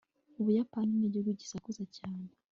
ubuyapani nigihugu gisakuza cyane